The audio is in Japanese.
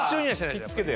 ひっつけて？